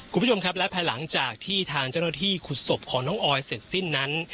คุณผู้ชมครับและภายหลังจากที่ทางเจ้าหน้าที่ขุดศพของน้องออยเสร็จสิ้นนั้น